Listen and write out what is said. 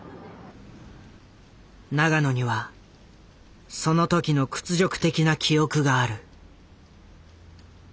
永野にはその時の屈辱的な記憶がある。